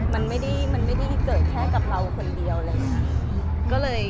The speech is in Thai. มันไม่ได้เกิดแค่กับเราคนเดียวเลย